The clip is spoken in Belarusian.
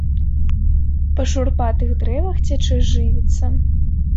Па шурпатых дрэвах цячэ жывіца.